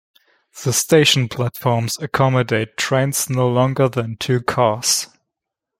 The station platforms accommodate trains no longer than two cars.